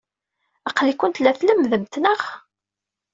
Aql-ikent la tlemmdemt, naɣ?